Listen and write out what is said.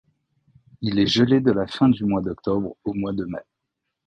Il est gelé de la fin du mois d'octobre au mois de mai.